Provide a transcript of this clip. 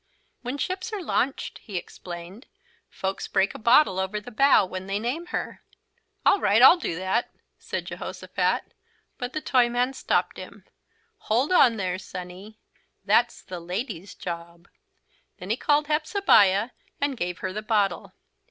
"When ships are launched," he explained, "folks break a bottle over the bow when they name her." "All right, I'll do that," said Jehosophat, but the Toyman stopped him. "Hold on there, Sonny, that's the ladies' job." Then he called Hepzebiah and gave her the bottle.